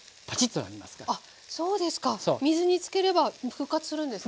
あそうですか。水につければ復活するんですね。